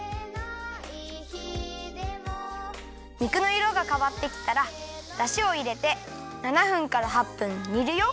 肉のいろがかわってきたらだしをいれて７分から８分にるよ。